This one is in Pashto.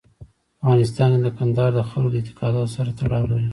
په افغانستان کې کندهار د خلکو د اعتقاداتو سره تړاو لري.